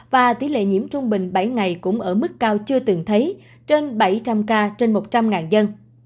và tỷ lệ nhiễm trung bình bảy ngày cũng ở mức cao chưa từng thấy trên bảy trăm linh ca trên một trăm linh dân